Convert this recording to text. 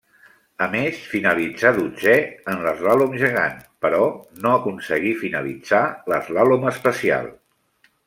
A més finalitzà dotzè en l'eslàlom gegant però no aconseguí finalitzar l'eslàlom especial.